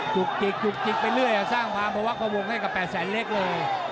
จุกจิกจุกจิกไปเรื่อยสร้างความภาวะประวงให้กับ๘แสนเล็กเลย